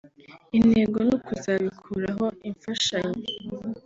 intego ni ukuzabikuriraho imfashanyo